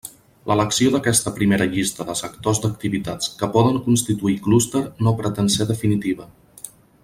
L'elecció d'aquesta primera llista de sectors d'activitats que poden constituir clúster no pretén ser definitiva.